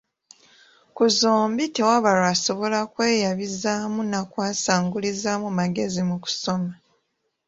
Ku zombi tewaba lw’asobola kweyabizaamu na kwasangulizaamu magezi mu kusoma.